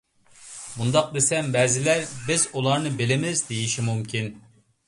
مۇنداق دېسەم، بەزىلەر «بىز ئۇلارنى بىلىمىز» ، دېيىشى مۇمكىن.